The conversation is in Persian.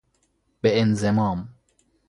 به انضمام